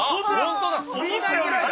本当だ滑り台ぐらいだ。